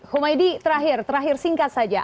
humaydi terakhir terakhir singkat saja